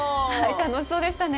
楽しそうでしたね。